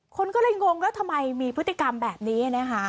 คนก็เลยงงแล้วทำไมมีพฤติกรรมแบบนี้นะคะ